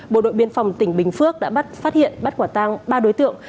bộ đội biên phòng tỉnh bình phước đã phát hiện bắt quả tang ba đối tượng